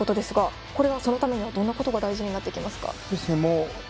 これは、そのためにどんなことが大事になってきますか。